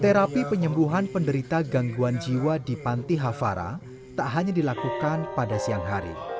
terapi penyembuhan penderita gangguan jiwa di panti hafara tak hanya dilakukan pada siang hari